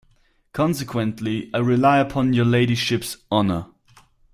Consequently, I rely upon your ladyship's honour.